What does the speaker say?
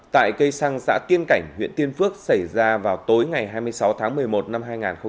tại cây xăng xã tiên cảnh huyện tiên phước xảy ra vào tối ngày hai mươi sáu tháng một mươi một năm hai nghìn hai mươi ba